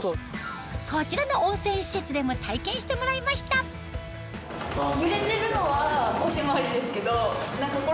こちらの温泉施設でも体験してもらいましたお！